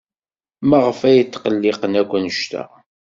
Maɣef ay tqelliqen akk anect-a?